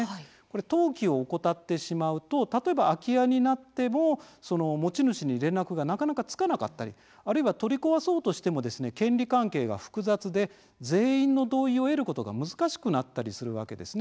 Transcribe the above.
登記を怠ってしまうと例えば、空き家になっても持ち主に連絡がなかなかつかなかったりあるいは取り壊そうとしても権利関係が複雑で全員の同意を得ることが難しくなったりするわけですね。